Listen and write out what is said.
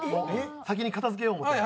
先に片付けよう思て。